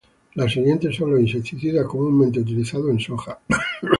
Los siguientes son los insecticidas comúnmente utilizados en soja.